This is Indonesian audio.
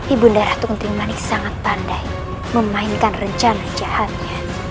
ibu ndera ratu kentering manik sangat pandai memainkan rencana jahatnya